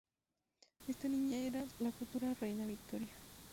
Esta niña era la futura reina Victoria.